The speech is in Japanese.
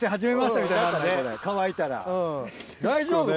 乾いたら大丈夫？